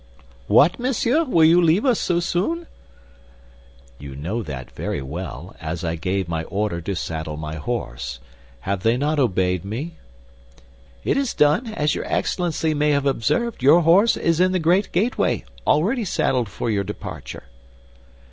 "What, monsieur, will you leave us so soon?" "You know that very well, as I gave my order to saddle my horse. Have they not obeyed me?" "It is done; as your Excellency may have observed, your horse is in the great gateway, ready saddled for your departure."